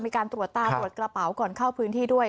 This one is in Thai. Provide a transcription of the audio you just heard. มีการตรวจตาตรวจกระเป๋าก่อนเข้าพื้นที่ด้วย